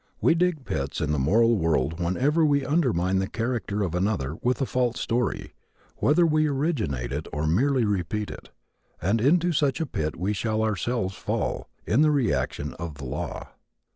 We dig pits in the moral world whenever we undermine the character of another with a false story, whether we originate it or merely repeat it, and into such a pit we shall ourselves fall, in the reaction of the law.